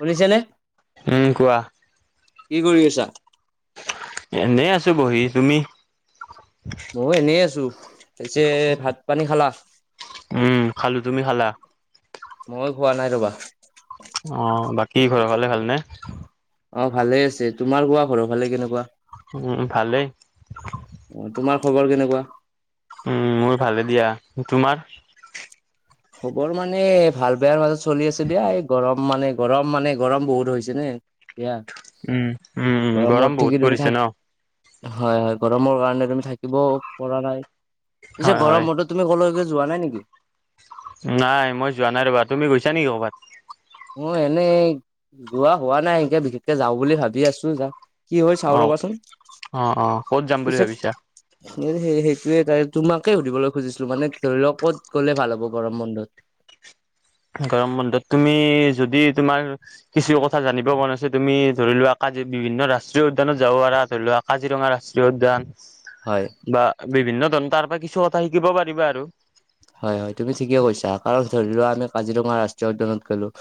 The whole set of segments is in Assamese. শুনিছেনে? উম কোৱা কি কৰি আছা? এনেই আছো বহি, তুমি? মৌ এনেই আছো, পিছে ভাত পানী খালা? উম খালো, তুমি খালা? মই খোৱা নাই ৰবা। অ বাকী ঘৰৰ ফালে ভালনে? অ ভালে আছে, তোমাৰ কোৱা ঘৰৰ ফালে কেনেকোৱা? উম ভালেই। উম তোমাৰ খবৰ কেনেকোৱা? উম মোৰ ভালে দিয়া, তোমাৰ? খবৰ মানে ভাল বেয়াৰ মাজত চলি আছে দিয়া এই গৰম মানে গৰম মানে গৰম বহুত হৈছে নে। এয়া, উম উম উম অ গৰম মোৰ বহুত ঠিকেইপ পৰিছে ন থাক হয় হয় গৰমৰ কাৰণে তুমি থাকিব পৰা নাই, হয় পিছে হয় গৰম বন্ধত তুমি কলৈক যোৱা নাই নেকি? নাই মই যোৱা নাই ৰবা, তুমি গৈছা নেকি ক'ৰবাত? মৌ এনেই যোৱা হোৱা নাই এতিয়া বিশেষকে যাওঁ বুলি ভাবি আছো যা কি হয় চাওঁ অ ৰবাচোন! অ অ ক'ত যাম বুলি পিছে ভাবিছা এই সে সেইটোৱে তাই তোমাকে সুধিবলৈ খুজিছিলো মানে ধৰি লকত কত গ'লে ভাল হ'ব গৰম বন্ধত? গৰম বন্ধত তুমি যদি তোমাৰ কিছু কথা জানিব পৰা নাছিল তুমি ধৰি লোৱা কাজি বিভিন্ন ৰাষ্ট্ৰীয় উদ্যানত যাব পা ধৰি লোৱা। কাজিৰঙা ৰাষ্ট্ৰীয় উদ্যান হয়। বা বিভিন্ন জন তাপৰা কিছু কথা শিকিব পাৰিবা আৰু। হয় হয় তুমি ঠিকে কৈছা কাৰণ ধৰি লোৱা আমি কাজিৰঙা ৰাষ্ট্ৰীয় উদ্যানত গলো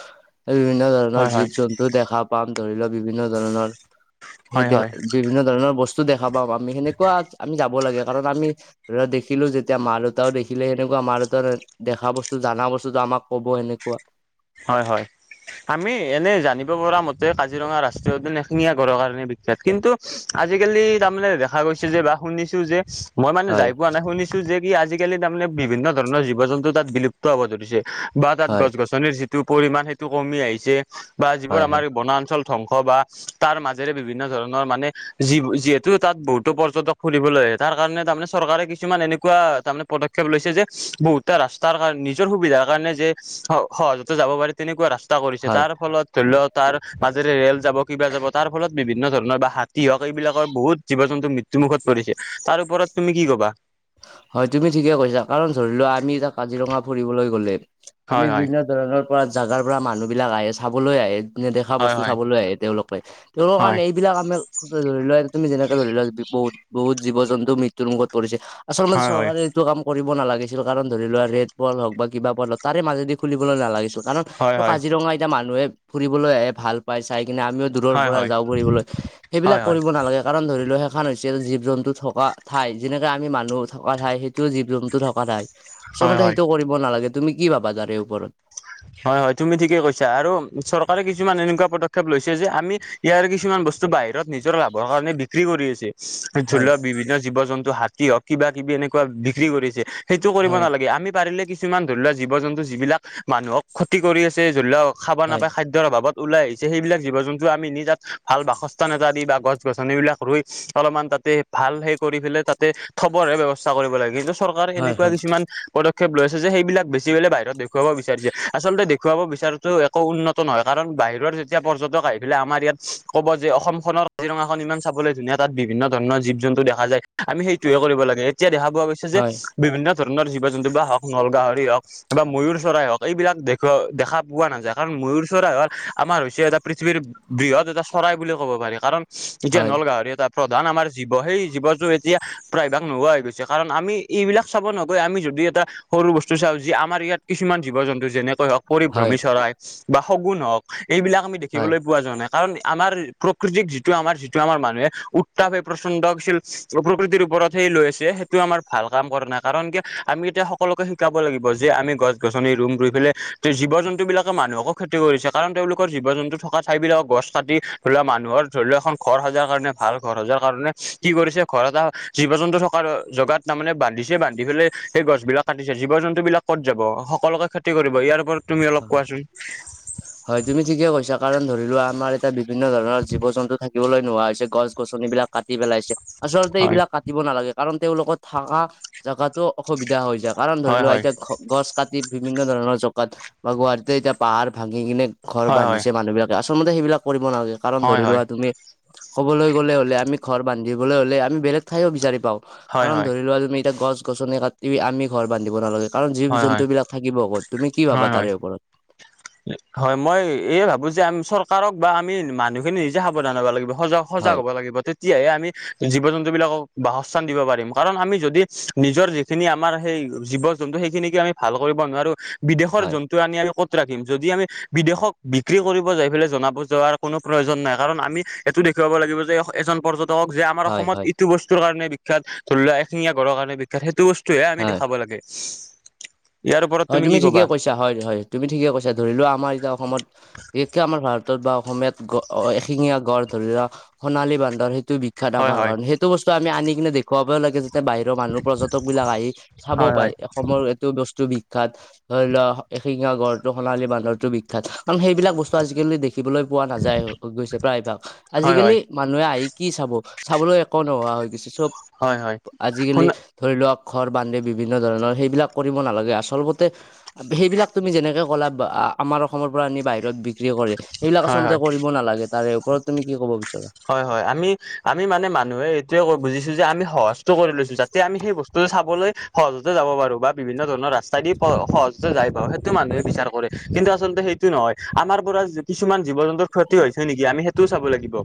এ বিভিন্ন ধৰণৰ হয় হয় জীৱ - জন্তু দেখা পাম ধৰি লোৱা বিভিন্ন ধৰণৰ সেই হয় ডে হয় বিভিন্ন ধৰণৰ বস্তু দেখা পাম আমি সেনেকুৱা আমি যাব লাগে কাৰণ আমি ধৰা দেখিলো যেতিয়া মা - দেউতাও দেখিলে এনেকুৱা মাৰ এটাৰ দেখা বস্তু জানা বস্তুটো আমাক ক'ব সেনেকুৱা হয় হয়। আমি এনে জানিব পৰা মতে কাজিৰঙা ৰাষ্ট্ৰীয় উদ্যান এশিঙীয়া গড়ৰ কাৰণে বিখ্যাত কিন্তু আজিকালি তাৰমানে দেখা গৈছে যে বা শুনিছো যে মই মানে হয় যাই পোৱা নাই শুনিছো যে কি আজিকালি তাৰ মানে বিভিন্ন ধৰণৰ জীৱ জন্তু তাত বিলুপ্ত হ'ব ধৰিছে। বা তাত হয় গছ - গছনিৰ যিটো পৰিমাণ সেইটো কমি আহিছে বা যিবোৰ হয় হয় আমাৰ বনাঞ্চল ধ্বংস বা তাৰ মাজেৰে বিভিন্ন ধৰণৰ মানে যি যিহেতু তাত বহুতো পৰ্যটক ফুৰিবলৈ আহে তাৰ কাৰণে তাৰমানে চৰকাৰে কিছুমান এনেকুৱা তাৰমানে পদ ক্ষেপ লৈছে যে বহুতে ৰাস্তাৰ কাৰ নিজৰ সুবিধাৰ কাৰণে যে স সহজত তে যাব পাৰে তেনেকুৱা ৰাস্তা কৰিছে। হয় তাৰ ফলত ধৰি ল তাৰ মাজেৰে ৰেল যাব কিবা যাবতাৰ ফলত বিভিন্ন ধৰণৰ বা হাত তিহক এইবিলাকৰ বহুত জীৱ - জন্তু মৃত্যুমুখত পৰিছে। তাৰ ওপৰত তুমি কি ক'বা? হয় তুমি ঠিকে কৈছা কাৰণ ধৰি লোৱা আমি এতিয়া কাজিৰঙা ফুৰিবলৈ গলে আমি হয় হয় বিভিন্ন ধৰণৰ পৰা জাগাৰ পৰা মানুহবিলাক আহে চাবলৈ আহে নেদেখা হয় বস্তু হয় চাবলৈ আহে তেওঁলোকে। তেওঁলোকৰ হয় কাৰণে এই এইবিলাক আমি ধৰি লোৱা তুমি যেনেকে ধৰি লোৱা বহুত - বহুত জীৱ - জন্তু মৃত্যুুৰ মুখত পৰিছে। আচল মতে হয় চৰকাৰে এইটো কাম কৰিব নালাগিছিল কাৰণ ধৰি লোৱা ৰেড পল হওক বা কিবা পল হওক তাৰে মাজেদি খুলিবলৈ নালাগিছিল। কাৰণ হয় হয় এইটো হয় কাজিৰঙা এতিয়া মানুহে ফুৰিবলৈ আহে ভাল পাই চাই কিনে, আমিও দূৰৰ হয় হয় পৰা হয় যাওঁ ফুৰিবলৈ। সেইবিলাক হয় কৰিব নালাগে। কাৰণ ধৰি লও সেইখন হৈছে জীৱ - জন্তু থকা ঠাই। যেনেকে আমি মান নুহ থকা ঠাই হিটো জীৱ - জন্তু থকা ঠাই। হয় আচলতে হয় সেইটো কৰিব নালাগে। তুমি কি ভাবা তাৰ এই ওপৰত? [inaudible] হয় হয় তুমি ঠিকেই কৈছা আৰু চৰকাৰে কিছুমান এনেকুৱা পদক্ষেপ লৈছে যে আমি ইয়াৰ কিছুমান বস টো বাহিৰত নিজৰ লাভৰ কাৰণে বিক্ৰী কৰি আছে। ধৰি হয় লোৱা বিভিন্ন জীৱ - জন্তু হাতী হওক কিবা কিবি এনেকুৱা বিক্ৰী কৰিছে। সেইটো কৰিব হয় নালাগে। আমি পাৰিলে কিছুমান ধৰি লোৱা জীৱ - জন্তু যিবিলাক মানুহক ক্ষতি কৰি আছে। ধৰি লওক খাবা হয় নাপায় খাদ্য। ৰ অভাৱত ওলাই আহিছে সেইবিলাক জীৱ- জন্তু আমি নি তাত ভাল বাসস্থান এটা দি বা গছ - গছনিবিলাক ৰুই অলপমান তাতে ভাল সেই কৰি পেলে তাতে থবৰ হে ব্যয়ৱস্থা কৰিব লাগে কিন্তু চৰকাৰ হয় সেনেকুৱা হয় কিছুমান পদক্ষেপ লৈছে যে সেইবিলাক বেছি পেলে বাহিৰত দেখুৱাব। বিচাৰিছে। আচলতে দেখুৱাব বিচাৰাটো একো উন্নত নহয় কাৰণ বাহিৰৰ যেতিয়া পৰ্যটক আহি পেলে আমাৰ ইয়াত ক'ব যে, অসমখনৰ কাজিৰঙাখন ইমান চাবলৈ ধুনীয়া। তাত বিভিন্ন ধৰণৰ জীৱ - জন্তু দেখা যায়। আমি সেইটোহে কৰিব লাগে। এতিয়া দেখা পোৱা গৈ ছে যে হয় বিভিন্ন ধৰণৰ জীৱ জন্তু বা হওক নল গাহৰি হওক বা ময়ূৰ চৰাই হওক। এইবিলাক দেখুৱ দেখা পোৱা নাযায় কাৰণ ময়ূৰ চৰাই হল আমাৰ হৈছে এটা পৃথিৱীৰ বৃহৎ এটা চৰাই বুলি ক'ব পাৰি। কাৰণ এতিয়া নল হয় গাঁহৰি এটা প্ৰধান আমাৰ জীৱ। সেই জীৱটো এতিয়া প্ৰায়ভাগ নোহোৱা হৈ গৈছে কাৰণ আমি এইবিলাক চাব নগৈ আমি যদি এটা সৰু বস্তু চাওঁ যি আমাৰ ইয়াত কিছুমান জীৱ জন্তু যেনেকৈ হওক পৰিভ্ৰমী চৰাই বা শগুন হওক, এইবিলাক আমি হয় দেখিবলৈ পোৱা যোৱা নাই কাৰণ আমাৰ প্ৰকৃতিক যিটো আমাৰ যিটো আমাৰ মানুহে উত্তাপ হৈ প্ৰচন্দ হৈছিল। প্ৰকৃতিৰ ওপৰত হে লৈ আছে সেইটো আমাৰ ভাল কাম কৰা নাই কাৰণ কিয়? আমি এতিয়া সকলোকে শিকাব লাগিব যে আমি গছ গছনি ৰুম ৰুই পেলেই জীৱ জন্তুবিলাকে মানুহকো ক্ষতি কৰিছে কাৰণ তেওঁলোকৰ জীৱ জন্তু থকা ঠাইবিলাকক গছ কাটি ধোলা মানুহৰ ধৰি লোৱা এখন ঘৰ সজাৰ কাৰণে ভাল ঘৰ সজাৰ কাৰণে কি কৰিছে ঘৰ এটা জীৱ জন্তু থকাৰ জগাত তামানে বান্ধিছে বান্ধি ফেলে সেই গছবিলাক কাটিছে, জীৱ জন্তু বিলাক ক'ত যাব? সক সকলোকে ক্ষতি কৰিব। ইয়াৰ ওপৰত তুমি অলপ হয় কোৱাচোন হয় তুমি ঠিকে কৈছা কাৰণ ধৰি লোৱা আমাৰ এট- টা বিভিন্ন ধৰণৰ জীৱ জন্তু থাকিবলৈ নোহোৱা হৈছে, গছ গছনিবিলাক কাটি পেলাইছে। আচলতে হয় এইবিলাক কাট টিব নালাগে কাৰণ তেওঁলোকৰ থকা জেগাতো অসুবিধা হৈ যায় কাৰণ ধৰি হয় লোৱা হয় এতিয়া গছ কাটি বিভিন্ন ধৰণৰ জকাত বা গুৱাহাটীতে এতিয়া পাহাৰ ভাঙি কিনে ঘৰ হয় হয় বান্ধিছে মানুহ বিলাক। আচলমতে সেইবিলাক কৰিব নালাগে কাৰণ হয় ধৰি হয় লোৱা তুমি ক'বলৈ গ'লে হ'লে আমি ঘৰ বান্ধিবলৈ হ'লে আমি বেলেগ ঠাইও বিচাৰি পাওঁ। হয় কাৰণ হয় ধৰি লোৱা তুমি এতিয়া গছ-গছনি কাটি আমি ঘৰ বান্ধিব নালাগে। কাৰণ হয় হয় জীব-জন্তুবিলাক থাকিব ক'ত তুমি কি ভাবা? হয় তাৰে ওপৰত হয় মই এই ভাবো যে চৰকাৰক বা আমি মানু্হ- খিনি নিজে সাৱধান হব লাগিব সজাগ হয় হ'ব লাগিব। তেত- তেতিয়াহে আমি জীৱ-জন্তুবিলাকক বাসস্থান দিব পাৰিম কাৰণ আমি যদি নিজৰ যি- খিনি আমাৰ সেই জীৱ জন্তু সেইখিনিকে আমি ভাল কৰিব নোৱাৰো বিদেশৰ হয় জন- টো আনি আমি ক'ত ৰাখিম। যদি আমি বিদেশক বিক্ৰী কৰিব যাই পেলাই জনাব যোৱাৰ কোনো প্ৰয়োজন নাই। কাৰণ আমি এইটো দেখুৱাব লাগিব যে এজন পৰ্যট- টক যে আমাৰ হয় অসমত হয় এইটো বস্তুৰ কাৰণে বিখ্যাত ধৰি লোৱা এশিঙীয়া গড়ঁৰ কাৰণে বিখ- সেইটো বস্তুৱে আমি হয় দেখাব লাগে। ইয়াৰ ওপৰত হয় তুমি কি ঠিকে ক'বা কৈছা হয় হয় তুমি ঠিকে কৈছা ধৰি লোৱা আমাৰ এতিয়া অসমত বিশেষকে আমাৰ ভাৰতত বা অসমীয়াত গ এশিঙীয়া গড় ধৰি লোৱা সোণালী বান্দৰ সেই- টো বিখ্যাত হয় আমাৰ হয় কাৰণে, সেইটো বস্তু আমি আনি কিনে দেখুৱাব লাগে যে যে বাহিৰৰ মানুহ পৰ্য্যটক বিলাক আহি চাব হয় হয় পায় অসমৰ এইটো বস্তু বিখ্যাত। ধৰি লোৱা এশিঙীয়া গড়ঁটো সোণালী বান্দৰটো বিখ্যাত কাৰণ সেইবিলাক বস্তু আজিকালি দেখিবলৈ পোৱা নাযায় গৈছে প্ৰায়ভাগ হয় আজিকালি হয় মানুহে আহি কি চাব চাবলৈ একো নোহোৱা হৈ গৈছে চব হয় হয় আজিকালি শুন ধৰি লোৱা ঘৰ বান্ধি বিভিন্ন ধৰণৰ সেইবিলাক কৰিব নালাগে আচ- অলপতে সেইবিলাক তুমি যেনেকে ক'লা আমাৰ অসমৰ পৰা আনি বাহিৰত বি- ক্ৰী কৰে সেইবিলাক হয় আচলতে হয় কৰিব নালাগে। তাৰে ওপৰত তুমি কি ক'ব বিচাৰ- হয় হয় আমি আমি মানে মানুহে এইটোয়ে বুজিছো যে আমি সহজটো কৰি লৈছো। যে আমি সেই বস্তুটো চাবলৈ সহজতে যাব পাৰো বা বিভিন্ন ধৰণৰ ৰাস্তাই দি সহজ যাই পাওঁ সেইটো মানুহে বিচাৰ কৰে কিন্তু আচলতে সেইটো নহয়। আমাৰ পৰা কিছুমান জীৱ জন্তুৰ ক্ষতি হৈছে নেকি, আমি সেইটোও চাব লাগিব।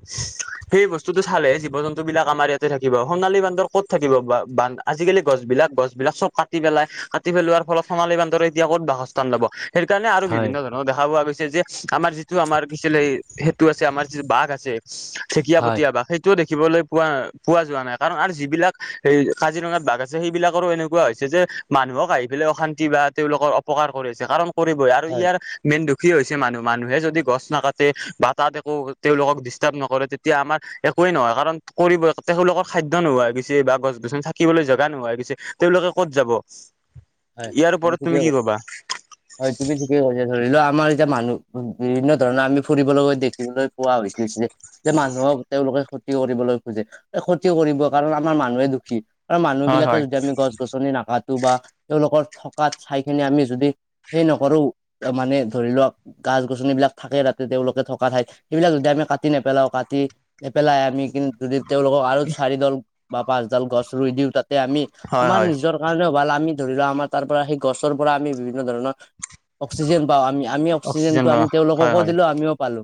সেই বস্তুটো চালে জীৱ-জন- টো বিলাক আমাৰ ইয়াতে থাকিব সোণালী বান্দৰ ক'ত থাকিব বা বান্ধ আজিকালি গছ বিলাক গছবিলাক চব কাট- কাটি পেলাই কাটি পেলোৱাৰ ফলত সোণালী বান্দৰ এতিয়া ক'ত বাসস্থান ল'ব সেই কাৰণে আৰু হয় বিভিন্ন ধৰ- দেখা পোৱা গৈছে যে আমাৰ যিটো আমাৰ পিছলে সেতু আছে আমাৰ যিটো বাঘ আছে। ঠেকীয়া হয়। পটীয়া বাঘ সেইট- টো দেখিবলৈ পোৱা পোৱা যোৱা নাই কাৰণ আৰু যিবিলাক এই কাজিৰঙাত বাঘ আছে সেইবিলাকৰো এনেকুৱা হৈছে যে মানুহক আহি পেলাই অশান্তি বা তেওঁলোকৰ অপকাৰ কৰি আছে কাৰণ কৰিবই আৰু হয় ইয়াৰ মেইন দুখী হৈছে মানুহ মানুহে যদি গছ নাকাটে বা তাত একো তেওঁলোকক দিছ- দিচতাৰভ নকৰে তেতিয়া আমাৰ একোৱে নহয় কাৰণ কৰিব তেওঁলোকৰ খাদ্য নোহোৱা হৈ গৈছে বা গছ - গছনি থা কিবলৈ জেগা নোহোৱা হৈ গৈছে, তেওঁলোকে ক'ত যাব? হয় হয় ইয়াৰ তুমি ওপৰত ঠিকেই কি কৈছ। কবা? হয় তুমি ঠিকে কৈছা, ধৰি লোৱা আমাৰ এতিয়া মানুহ বিভিন্ন ধৰণৰ আমি ফুৰিবলৈ গৈ দেখিবলৈ পুৱা হৈছ লৈছিলে। যে মানুহক তেওঁলোকে ক্ষতি কৰিবলৈ খোজে, এই ক্ষতি কৰিব কাৰণে আমাৰ মানুহে দুখী। আৰু হয় মানুহবিলাকে হয় যদি আমি গছ - গছনি নাকাটো বা তেওঁলোকৰ থকা ঠাইখিনি আমি যদি সেই নকৰো মানে ধৰি লওক গাছ - গছনিবিলাক থাকে ৰাতি তেওঁলোকে থকা ঠাইত সেইবিলাক যদি আমি কাটি নেপেলাও কাটি নেপেলাই আমি কিন্তু দি তেওঁলোকক আৰু চাৰিডাল বা পাঁচডাল গছ ৰুই দিওঁ তাতে আমি হয় আমাৰ হয় নিজৰ কাৰণেও ভাল আমি ধৰি লোৱা আমাৰ তাৰ পৰা সেই গছৰ পৰা আমি বিভিন্ন ধৰণৰ অক্সিজেন পাওঁ, আমি - আমি অক্সিজেন অক্সিজেনটো বা আমি হয় তেওঁলোককো হয় দিলো আমিও পালো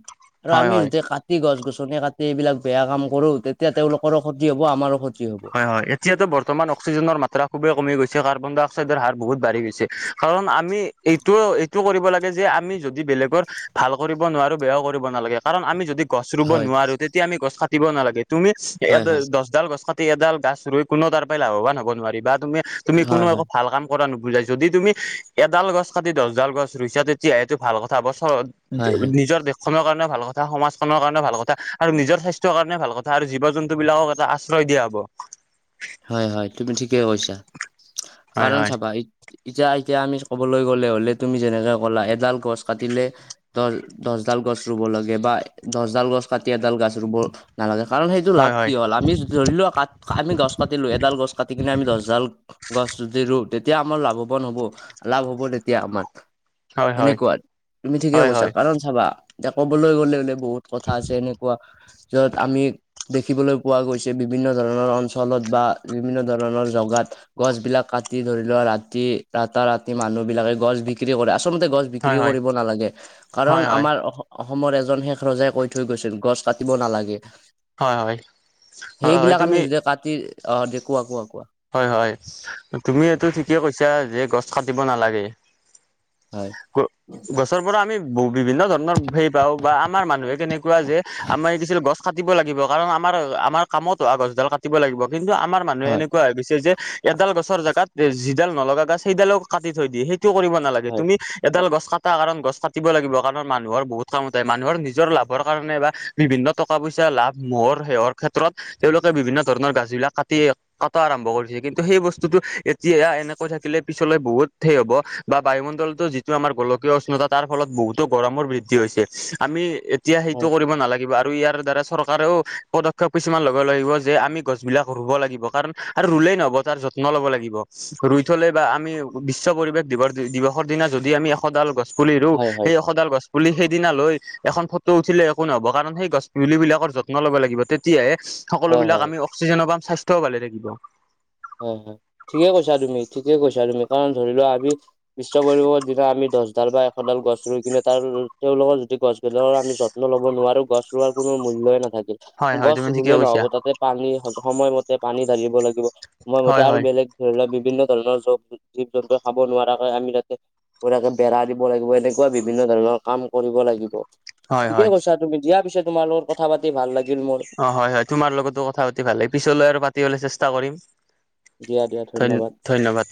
আৰু হয় আমি হয় দে কাঁ টি গছ - গছনি কাটি এইবিলাক বেয়া কাম কৰো তেতিয়া তেওঁলোকৰো ক্ষতি হ'ব আমাৰো ক্ষতি হ'ব। অ এতিয়াতো বৰ্তমান অক্সিজেনৰ মাত্ৰা খুবেই কমি গৈছে কাৰ্বন -ডাই -অক্সাইডৰ হাৰ বহুত বাঢ়ি গৈছে কাৰণ আমি এইটো - এইটো কৰিব লাগে যে আমি যদি বেলেগৰ ভাল কৰিব নোৱাৰো বেয়াও কৰিব নালাগে কাৰণ আমি যদি গছ ৰুব হয় নোৱাৰো তেতিয়া আমি গছ কাটিব নালাগে তুমি এ হয় হয় দছডাল গছ টি এডাল গাছ ৰুই কোনো তাৰ পৰাই লাভৱান হ'ব নোৱাৰি বা তুমি তুমি কোনো হয় একো হয় ভাল কাম কৰা নুবুজাই যদি তুমি এডাল গছ কাটি দছডাল গছ ৰুইছা তেতিয়া সেইটো ভাল কথা বছ হয় হয় নিজৰ দেখ খনৰ কাৰণেও ভাল কথা, সমাজখনৰ কাৰণেও ভাল কথা আৰু নিজৰ স্বাস্থ্যৰ কাৰণে ভাল কথা আৰু জীৱ - জন্তুবিলাকক এটা আশ্ৰয় দিয়া বা হয় হয় তুমি ঠিকে কৈছা, হয় কাৰণ হয় চাবা এতিয়া - এতিয়া আমি কবলৈ গলে হলে তুমি যেনেকে ক'লা এডাল গছ কাটিলে দছ - দছ ডাল গছ ৰুব লাগে বা দছ ডাল গছ কাটি এডাল গছ ৰুব নালাগে কাৰণ সেইটো হয় লাভ কি হ'ল আমি ধৰি লোৱা কাট কাট আমি গছ কাটিলো এডাল গছ কাটি কিনে আমি দছডাল গছ যদি ৰু তেতিয়া আমাৰ লাভৱান হ'ব, লাভ হ'ব তেতিয়া আমাৰ। হয় হয় সেনেকুৱাত, তুমি ঠিকে হয় হয় কৈছা কাৰণ চাবা এতিয়া ক'বলৈ গ'লে বোলে বহুত কথা আছে এনেকুৱা য'ত আমি দেখিবলৈ পোৱা গৈছে বিভিন্ন ধৰণৰ অঞ্চ তলত বা বিভিন্ন ধৰণৰ জগাত গছবিলাক কাটি ধৰি লোৱা ৰাতি ৰাতা ৰাতি মানুহবিলাকে গছ বিক্ৰী কৰে, আচলতে গছ হয় বিক্ৰী হয় কৰিব নালাগে হয় কাৰণ হয় আমাৰ অ অসমৰ এজন শেষ ৰজাই কৈ থৈ গৈছিল গছ কাটিব নালাগে। হয় হয়, হয় হয় তুমি কি অ দেখো আ কোৱা কোৱা? হয় হয়, তুমি এইটো ঠিকেই কৈছা যে গছ কাটিব নালাগে। হয় গ গছৰ পৰা আমি বহু বিভিন্ন ধৰণৰ হেৰি পাও বা আমাৰ মানুহে কেনেকুৱা যে আমাৰ কি আছিলে গছ কাট টিব লাগিব কাৰণ আমাৰ আমাৰ কামত অ গছডাল কাটিব লাগিব কিন্তু আমাৰ মানুহে হয় এনেকুৱা হৈ গৈছে যে এডাল গছৰ জেগাত যিডাল নলগা গছ সেইডালো কাটি থৈ দিয়ে সেইটোও কৰিব নালাগে হয় তুমি এডাল গছ কা টা কাৰণ গছ কাটিব লাগিব কাৰণ মানুহৰ বহুত কাম উদায়, মানুহৰ নিজৰ লাভৰ কাৰণে বা বিভিন্ন টকা - পইচা লাভ মহৰ, শেৱৰ ক্ষেত্ৰত তেওঁলোকে বিভিন্ন ধৰণৰ গাছবিলাক কাটি কাটা আৰম্ভ কৰিছে কিন্তু সেই বস্তুটো এতিয়া এনেকৈ থাকিলে পিছলৈ বহুত সেই হব বা বায়ুমণ্ডলতো যিটো আমাৰ গোলকীয় উষ্ণতা তাৰ ফলত বহুতো গৰমৰ বৃদ্ধি হৈছে। আমি এ তিয়া হয় সেইটো কৰিব নালা কিবা আৰু ইয়াৰ দ্বাৰা চৰকাৰেও পদক্ষেপ কিছুমান ল'ব লাগিব যে আমি গছবিলাক ৰুব লাগিব। কাৰণ আৰু ৰুলেই নহব, তাৰ যত্ন ল'ব লাগিব। ৰুই থলে বা আমি বিশ্ব পৰিৱেশ দিৱস দিৱসৰ দিনা যদি আমি সদাল গছপুলি ৰু, হয় হয় হয় সেই সদাল গছপুলি সেইদিনা লৈ এখন ফটো উঠিলে একো নহব কাৰণ সেই গছপুলিবিলাকৰ যত্ন লব লাগিব তেতিয়াহে হয় সকলোবিলাক হয় আমি অক্সিজেনো পাম স্বাস্থ্যও ভালে থাকিব। হয়- হয় ঠিকে কৈছা তুমি- ঠিকে কৈছা তুমি কাৰণ ধৰি লোৱা আমি বিশ্ব পৰিৱেশৰ দিনা আমি দছডাল বা এশডাল গছ ৰুই কিনে তাৰ তেওঁলোকৰ যদি গছ জনৰ আমি যত্ন ল'ব নোৱাৰো গছ ৰোৱাৰ কোনো মূল্যই নাথাকিল হয় হয় গছ তুমি ঠিকে ৰুলে নহ'ব কৈছা তাতে পানী সময়মতে পানী ঢালিব লাগিব সময়মতে হয় আৰু হয় বেলেগ ধৰি ল' বিভিন্ন ধৰণৰ জৱ জীৱ- জন্তু খাব নোৱাৰাকে আমি তাতে বঢ়িয়াকে বেৰা দিব লাগিব এনেকুৱা বিভিন্ন ধৰণৰ কাম কৰিব লাগিব। হয় ঠিকে হয় কৈছা তুমি দিয়া পিছে তোমাৰ লগত কথা পাতি ভাল লাগিল মোৰ। অ, হয়-হয় তোমাৰ লগতো কথা পাতি ভাল [unintelligible] পিছলৈ আৰু পাতিবলে চেষ্টা কৰিম। দিয়া-দিয়া ধন্য ধন্যবাদ। ধন্যবাদ।